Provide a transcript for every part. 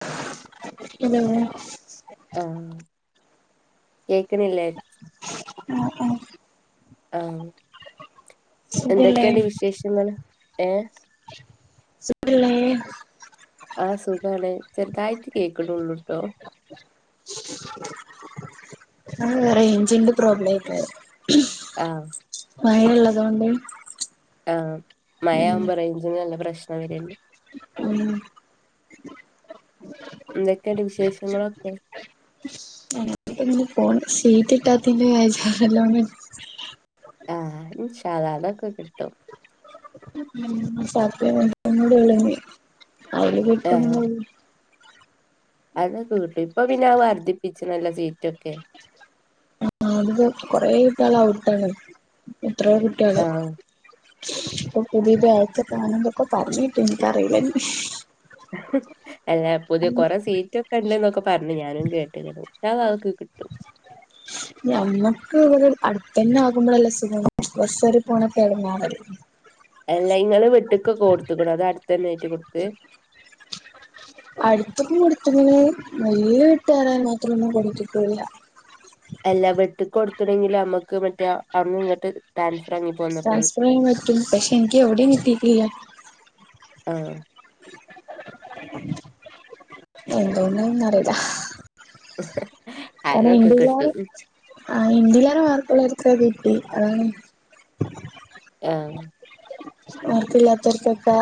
[unintelligible] ആ കേക്കണില്ലേ? മം മം. ആ സുഖല്ലേ എന്തൊക്കെയണ്ട് വിശേഷങ്ങള് ഏ. സുഖല്ലേ. ആ സുഖാണ്. ചെറുതായിട്ട് കേൾക്കണള്ളൂട്ടോ. ആ റേഞ്ചിന്റെ പ്രോബ്ലം ആയിട്ടത്. ആ. മഴയുള്ളതുകൊണ്ട്. ആ മഴ ആവുമ്പോ റേഞ്ചിന് നല്ല പ്രശ്നം വരുണ്ട്. ഉം എന്തൊക്കെയണ്ട് വിശേഷങ്ങളൊക്കെ. [unintelligible] [unintelligible] ആ ഇൻഷാ അള്ളാ അതൊക്കെ കിട്ടും. മം കുറച്ചു ദിവസംകുടി ഉള്ളു ഇനി [unintelligible] അതെ കിട്ടു. ഇപ്പൊ പിന്നെ വർദ്ധിപ്പിച്ചല്ലോ സീറ്റൊക്കെ. ആ അതില് കൊറെ കുട്ടികള് ഔട്ടാണ്. എത്രയോ കുട്ടികള്. ആഹ് ഇപ്പ പുതിയ [unintelligible] [unintelligible] അല്ല പുതിയ കൊറെ സീറ്റ് [unintelligible] എന്നൊക്കെ പറഞ്ഞ് ഞാനും കേട്ട്. ഇൻഷാ അള്ളാ അത്ക്ക് കിട്ടും. ഞങ്ങക്ക് ഇവട അടുത്തന്നെ ആകുമ്പോഴല്ല സുഖം. ബസ്‌ കേറി പോണ [unintelligible] എല്ല ഇങ്ങള് വീട്ടിക്ക് കൊടുതൊക്കണോ, അത് അടുത്ത തന്നെ ആയിട്ട് കൊടുത്ത്. അടുത്തൊന്നും കൊടുത്തിന് വലിയ [unintelligible] മാത്രമൊന്നും പഠിപ്പിക്കുല്ല. എല്ലാ [unintelligible] കൊടുത്തണെങ്കിലും നമ്മുക്ക് മറ്റേ അന്ന് ഇങ്ങോട്ട്. [unintelligible] ട്രാൻസ്പറിനു പറ്റും. പക്ഷെ എനിക്ക് എവിടെയും കിട്ടീട്ടില്ല. ആ. [inaudible] എന്തന്ന ഒന്നും അറിയില്ല. [inaudible] കാരണം കിട്ടും [unintelligible] ആ [unintelligible] മാർക്കൊള്ളവർക്കു കിട്ടി. അതാണ് ആ മാർക്കില്ലാതൊർക്കൊക്ക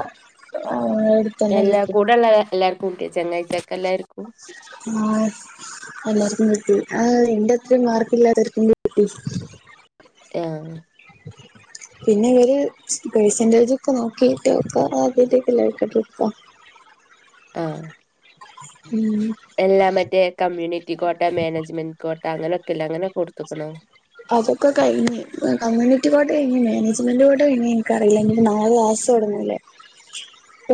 ആ എടു എല്ലാ കൂടെ എല്ലാർക്കും കീട്ടിയ ചങ്ങായ്കോക്കെ എല്ലാർക്കും. ആ എല്ലാർക്കും കിട്ടി. ആ എന്റെ അത്രയും മാർക്ക് ഇല്ലാത്തർക്കും കിട്ടി. ആ [unintelligible] പിന്നെ ഇവര് പെസെന്റേജൊക്കെ നോക്കിയിട്ട് [unintelligible] ആഹ് ഉം എല്ലാ മറ്റേ കമ്മ്യൂണിറ്റി കോട്ട, മാനേജ്മെന്റ് കോട്ട, അങ്ങനെക്കെല്ലെ അങ്ങനെ കൊടു [unintelligible] അതൊക്കെ കഴിഞ്ഞ്. കമ്മ്യൂണി കോട്ട കഴിഞ്ഞ്, മാനേജ്മെന്റ് കോട്ട കഴിഞ്ഞ് ഇൻകറീല നാളെ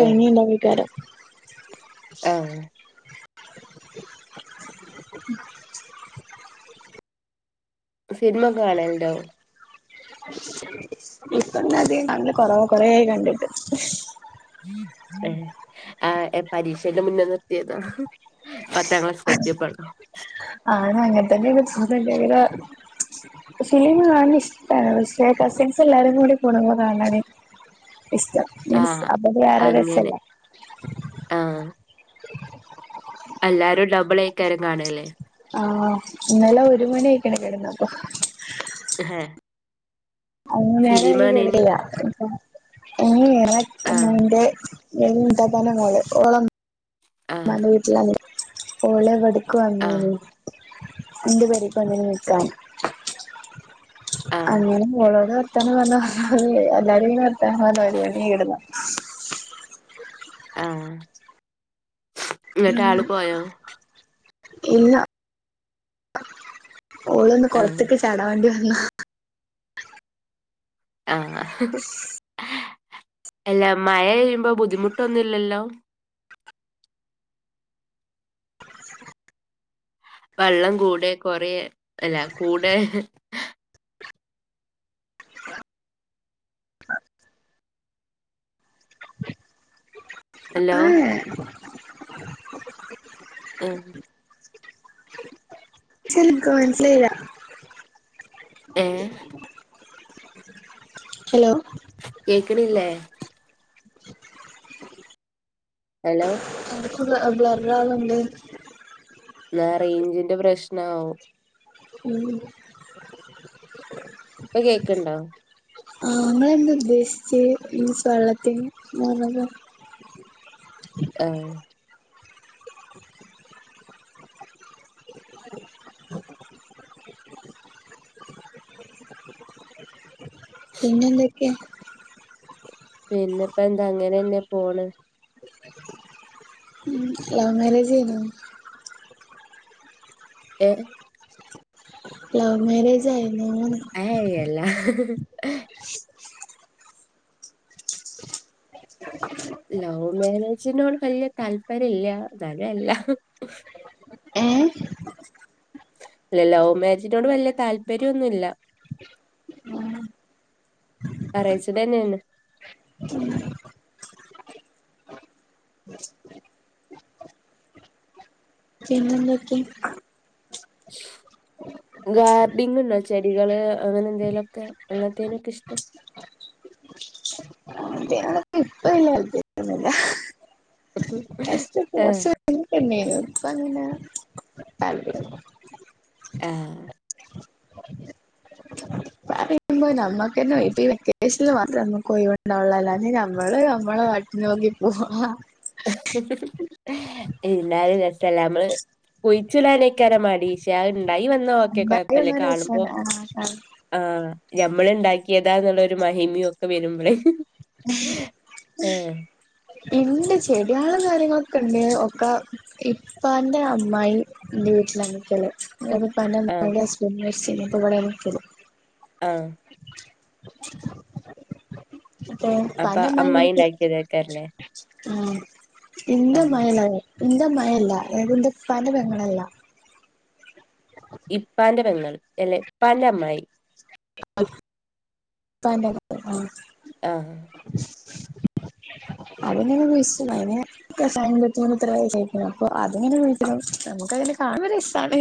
ആഹ് [unintelligible] ആഹ് [inaudible] സിനിമൊക്കെ കാണല്ണ്ടോ? [unintelligible] കൊറവ കൊറേയായി കണ്ടിട്ട് ഏഹ് ആഹ് പരീക്ഷന്റെ മുന്നെ നിർത്തിയതാ. പത്താംക്ലാസിലെത്തിയപ്പ ആണ് അങ്ങൻത്തന്നെണ് [unintelligible] സിനിമ കാണ് ണത് ഇഷ്ടാണ്, പക്ഷെ കസിൻസ് എല്ലാരും കൂടി കൂടുമ്പോ കാണ് ണാണ് ഇഷ്ടം, മീൻസ് ആഹ് അപ്പൊ വേറൊരു അങ്ങനെ രസല്ലെ? എല്ലാരുണ്ടാവുമ്പളൈകാരം കാണലേ? ആഹ് ഇന്നലെ ഒരു മണിയയ്ക്ക്ണ് കെട്ന്നപ്പൊ. ഹേ [unintelligible] ആഹ് [unintelligible] ആഹ് മ്മാന്റെ വീട്ടിലാണ്. ഓള് ഇവയ്ക്ക് ആ. വന്നീനി. ഇന്റെ പെരീക്ക് വന്നീനി നിക്കാൻ. ആ. [unintelligible] വർത്താനം പർഞാ [unintelligible] എല്ലാരുങനെ വർത്താനം പറഞ്ഞ് ഒരു മണിയായി കെടന്നപ്പോ ആഹ് ഇന്ന്ട്ടാള് ഉം പോയോ? ഇല്ല, ഓള്ന്ന് ആ. കൊളത്ത്ക്ക് ചാടാൻ വേണ്ടി വന്നീ ആഹ് ഹ് ഹ് ഹ്. എല്ല മഴയ്യ്മ്പോ ബുദ്ധിമുട്ടൊന്നുല്ലല്ലോ? വള്ളം കൂടെ കൊറ്യേ അല്ല കൂടേ ഹലോ? ആഹ് ഏ ആഹ് [unintelligible] മനസ്സിലായില്ല. ഏഹ് ഹലോ കേക്ക്ണില്ലേ? ഹലോ [unintelligible] ബ്ലറാവ്ന്ന്ണ്ട്. ന്നാ റെയ്ഞ്ച്ന്റെ പ്രശ്നാവും. [unintelligible] ഇപ്പൊ കേക്ക്ണ്ടോ? ആഹ് ങ്ങളെന്താ ഉദ്ദേശിച്ചേ? ഈ വള്ളത്തിന് [unintelligible] ആഹ് പിന്നെന്തൊക്കെ? പിന്നെപ്പെന്താ അങ്ങനെന്നെ പോണ്. ലവ് മാരേജേനു. ഏഹ്? ലവ് മേരേജായിരുന്നൂന്ന്. ഏയ് അല്ല, ഹ് ഹ് ഹ് ഹ് ലവ് മാരേജിനോട് വല്യ താല്പര്യല്ല, ഇന്നാലും അല്ല. ഏ ല്ല ലവ് മാരേജിനോട് വല്യ താല്പര്യന്നുല്ല. ആറാച്ച തന്നെയാണ് പിന്നെ ന്തൊക്കെ ഗാർഡിങ് ഉണ്ടോ ചെടികള് അങ്ങനെ എന്തേലുംക്കെ അങ്ങനത്തേനൊക്കെ ഇഷ്ടം അ അതെയ [unintelligible] ഇപ്പല്ല [unintelligible] കുറ ആഹ് [unintelligible] ഇപ്പ അങ്ങനെ ത ആഹ ുമ്പോ നമ്മുക്ക് തന്നെ ഇപ്പഈെക്കേഷനിൽ മാത്രേ നമ്മുക്ക് ഒഴിവ് ണ്ടവോള്ളൂ അല്ലന്ന നമ്മള് നമ്മെ പാട്നോക്കി [unintelligible] [unintelligible] എല്ലാലും രസല്ല നമ്മള് കൊഴിച്ചുടാനൊക്കാര മടി ശേ അഹ് ഇണ്ടായി വന്ന് എന്ന ഓക്കെ എന്തായാലും കൊഴപ്പില്ലേ ഒന്നും കാണുമ്പോ രസാണ് ആഹ് ആഹ് ആഹ ഞമ്മൾ ഉണ്ടാക്കിയതാ എന്നുള്ളരു മഹിമിയും ഒക്കെ വരുമ്പോൾേ [unintelligible] ഇൻണ്ട് ചെടിയാളും കാര്യങ്ങളൊക്കെ ഇണ്ട് ഒക്കെ ഇപ്പാന്റെ അമ്മായി ഇന്റെ വീട്ടിലാനിക്കൽ ഇപ്പ ന്റെ ആഹ് അമ്മായിന്റെ ഹുസ്ബന്റ് മരിച്ചക് ണ് അപ്പ ഇവിടെ നിക്കൽ ആ അപ്പെ അപ്പൊ പ്പന്റെ അമ്മായിന്റെ അമ്മായി എനിക്ക് ഇണ്ടാക്കിയതേക്കാരല്ലേ ആഹ ആഹ് ഇന്റെഅമ്മായി അമ്മായില്ല ഇന്റെ ഇപ്പ ന്റെ പെങ്ങളല്ല [inaudible] ഇപ്പാന്റെ പെങ്ങൾ അല്ലെ ഇപ്പാന്റെ അമ്മായി [unintelligible] ഇപ്പന്റെ അമ്മായി ആ ആ അയിന് വയ സുണ്ട് അയിന് കഷായം വെച്ച് ങ്ങനെ [unintelligible] അത് ങ്ങനെ [unintelligible] നമ്മുക്ക് അയിൽ കാണാൻ രസണ്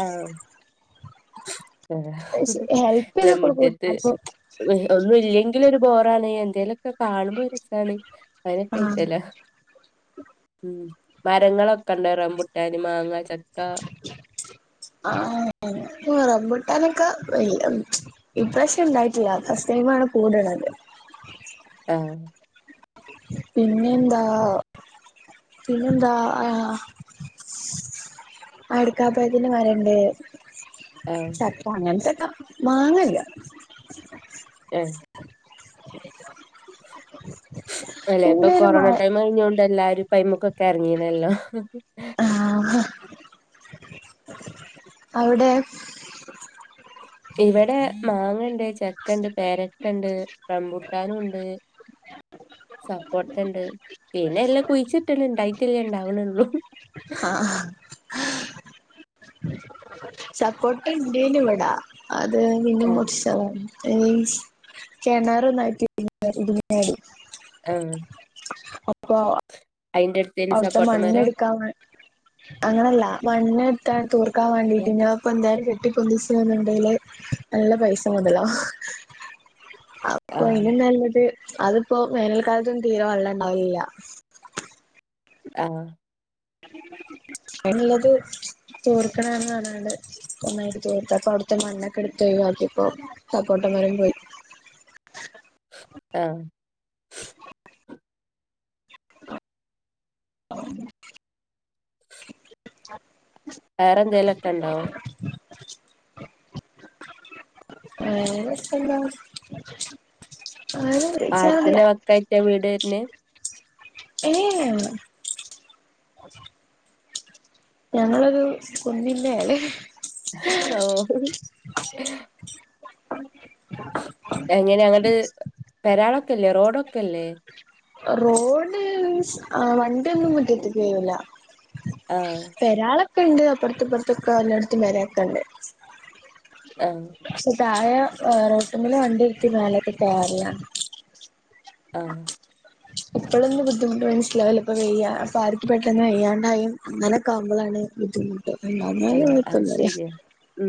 ആഹ [unintelligible] പക്ഷെ ഹെൽപ് ആ ചെയ്ത് കൊടുക്കും മുറ്റത്ത് അപ്പൊ [unintelligible] ഒന്നും ഇല്ലെങ്കിൽ ഒരു ബോറാണ് എന്തേലുംക്കെ കാണുമ്പോ രസമാണ് അങ്ങനൊക്കെ ആഹ് ആയിട്ടല്ലോ ഉം മരങ്ങളൊക്കെ ഉണ്ട റബുട്ടാന് മാങ്ങ ചക്ക ആ റമ്പുട്ടാനൊക്കെ വല്ല ഇപ്രവിഷംഇണ്ടായിട്ടില്ലഫാസ്റ്റ് ടൈമാണ് കൂടള്ള ത് ആഹ പിന്നെ എന്താ പിന്നെന്തആ അടക്കാപ്പയതിന്റെ മരണ്ട് ആഹ് ചക്ക അങ്ങനത്തൊക്കെ മാങ്ങല്ല ഹെ [unintelligible] അല്ലെ ഇപ്പൊ പിന്നെ ഒരു മ കൊറോണ ടൈം കഴിഞ്ഞോണ്ട് എല്ലാരും പൈമുക്കൊക്കെ ഇറങ്ങീണല്ലോ ആ അവിടെ ഇവിടെ മാങ്ങ ഇണ്ട് ചക്ക ഇണ്ട് പേരക്കണ്ട് റമ്പുട്ടാനും ഇണ്ട് സപ്പോട്ടണ്ട് പിന്നെ എല്ലാം കുഴിച്ചിണ് ഇണ്ടായിട്ടല്ലേ ഉണ്ടാവണള്ളൂ ആഹ സപ്പോട്ടഇൻ ണ്ടായിന് ഇവിടാ അത് പിന്ന ആഹ് മുറി [unintelligible] കിണർ ഒന്നായിട്ട് ഇങ്ങ ഇട്ന്നാ ടി ആഹ അപ്പോ അയിന്റെ അടുത്തേന് അവിടുത്തെ സപ്പോട്ട മരം മണ്ണ്എടുക്കാൻ വേണ്ടി അങ്ങനല്ല മണ്ണ് ക്കാ തൂർക്കാൻ ആഹ് വേണ്ടിറ്റ് ന്നാ എന്തായാലും ചെ കെട്ടിപൊന്തിച്ച് ണ്ടൽ നല്ല പൈസ മുതലവും അപ്പൊ അതിലും നല്ലത് അതിപ്പോ വേനൽക്കാലത്തൊന്നും തീരെ വെള്ളം ഉണ്ടാവലില്ല ആഹ് എന്നത്? തൂർക്കണന്ന് കാണാണ്ട് ഒന്നായിട്ട് തോർത്ത അപ്പൊ അവിടുത്തെ മണ്ണൊക്കെ എടുത്തൊഴിവാക്കിപ്പോ സപ്പോട്ടമരം പോയി ആഹ് [inaudible] [inaudible] വേറെ എന്തേലൊക്കെ ഇണ്ടോ? വേറെപ്പോന്താ? ആരും വിളിച്ചാറില്ല്യ എവിടെയാര്ന്ന്? ഏഹ് ഞങ്ങളൊരു കുന്നിന്റെ മേലെ ആഹ് എങ്ങനെ അങ്ങട് പരാളൊക്കെല്ലേ റോഡ്ക്കെല്ലേ? റോഡ് ആഹ് വണ്ടിയൊന്നും മിറ്റത്ത് കേറുല ആഹ് പരാളൊക്കെ ഉണ്ട് അപ്പുറത്ത്പ്പുറത്തൊക്കെ എല്ലായിടത്തും പരൊക്കെ ഉണ്ട് ആഹ് പക്ഷെ താഴെ റോഡ് മേൽ വണ്ടി നീരുത്തി മേലോട്ട് കേറലാണ് ആഹ് ഇപ്പോഴൊന്നും ബുദ്ധിമുട്ട് മനസ്സിലാവുല്ല ഇപ്പോ വെയ്യ അപ്പ ആർക്ക് പെട്ടെന്ന് വെയ്യാണ്ടായ അങ്ങനെ ഒക്കെ ആമ്പോളാണ് ബുദ്ധിമുട്ട് അല്ലാതെ വേറെ കുഴപ്പൊന്നുമില്ല മ്ഹ്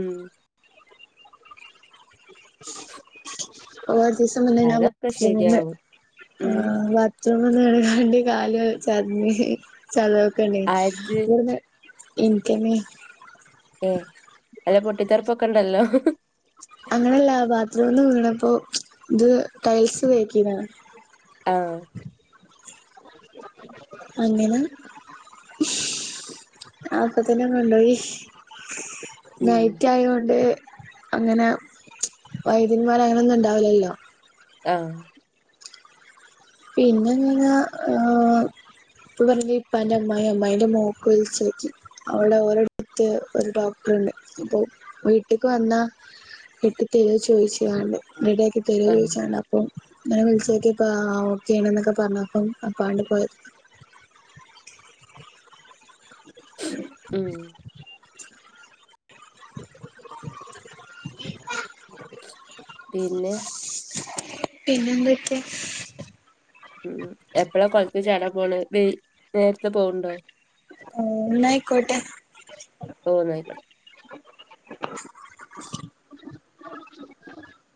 [inaudible] [unintelligible] അതൊക്കെ ശെരിയാവും ഉം കാല് ചതാഞ് അത് ചതാവൊക്കെണ്ടണ്ടേനി [unintelligible] ഇൻക്ക്ന്നെ ആഹ് അല്ല പൊട്ടിത്തെറിപ്പൊക്കെ ഉണ്ടല്ലോ അങ്ങനെയല്ല ബാത്റൂമീന്ന് വീണപ്പോ ഇത് ടൈൽസ് വേക്കീനാ ആഹ് അങ്ങനെ ആപ്പ തന്നെ കൊണ്ടോയി ഉം നൈറ്റ് ആയോണ്ട് അങ്ങനെ വൈദ്യന്മാർ അങ്ങനെൊന്നും ഉണ്ടാവില്ലല്ലോ? ആഹ് പിന്നെങ്ങനെ ആഹ് ഇപ്പപറഞ്ഞ ഇപ്പ അന്റെ അമ്മായി അമ്മായിന്റെ മോക്ക് വിളിച്ചോക്കി അവിടെ ഒരടത്ത് ഒരു ഡോക്ടറുണ്ട് അപ്പൊ വീട്ട്ക്ക് വന്നാ കെട്ടിതരോ ചോദിച്ചണ്ട് റെഡിയാക്കി വെളി ആഹ് വെച്ച്കണ്ടപ്പം അങ്ങനെ വിളിച്ചനോക്കിപ്പ ആഹ് ഓക്ക ആണ എന്നൊക്കെ പറഞ്ഞപ്പം അപ്പാണ്ടിപോയി ഉം [inaudible] [inaudible] പിന്നെ? പിന്നെന്തൊക്കെ? മ്ഹ് എപ്പഴാ കൊളത്തിൽചാടാൻ പോണ വി നേരത്തെ പോണുണ്ടോ? മ്ഹ് ന്നായിക്കോട്ടെ. ഓഹ് ന്നായി